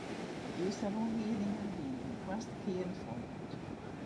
De earste rûnliedingen wiene yn de koartste kearen folboekt.